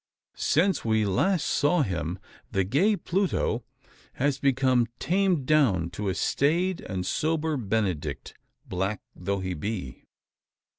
Since we last saw him, the gay Pluto has become tamed down to a staid and sober Benedict black though he be.